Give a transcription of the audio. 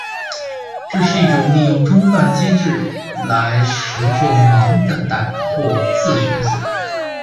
这是一种利用中断机制来实作忙等待或自旋锁。